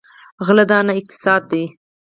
غله دانه اقتصاد دی.